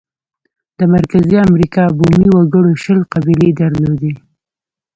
د مرکزي امریکا بومي وګړو شل قبیلې درلودې.